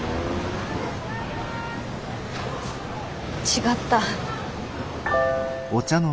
違った。